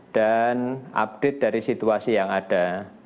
dan update dari situasi yang ada